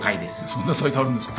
そんなサイトあるんですか？